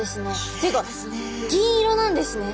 っていうか銀色なんですね。